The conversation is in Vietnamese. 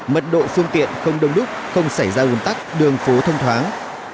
mật độ phương tiện không đông đúc không xảy ra ủn tắc đường phố thông thoáng